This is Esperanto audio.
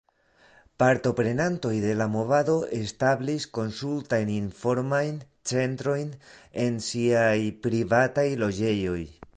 Partoprenantoj de la movado establis konsultajn-informajn centrojn en siaj privataj loĝejoj.